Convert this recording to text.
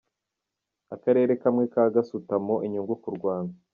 Akarere kamwe ka Gasutamo inyungu ku Rwanda